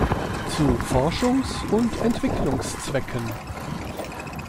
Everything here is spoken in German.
Zu Forschungs- und Entwicklungszwecken.